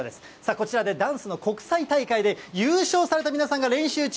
こちらでダンスの国際大会で優勝された皆さんが練習中。